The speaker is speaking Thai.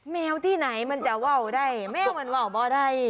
แมวที่ไหนมันจะว่าวได้แมวมันว่าวบ่ได้